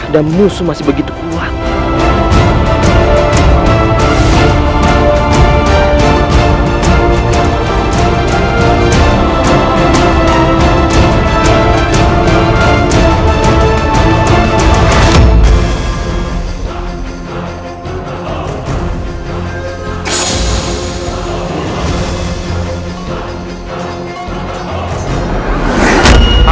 dan musuh masih begitu kematiannya